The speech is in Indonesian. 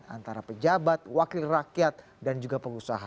antara pejabat wakil rakyat dan juga pengusaha